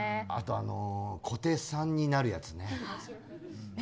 あと、小手さんになるやつね。